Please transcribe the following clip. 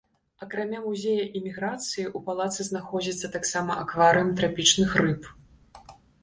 Акрамя музея іміграцыі, у палацы знаходзіцца таксама акварыум трапічных рыб.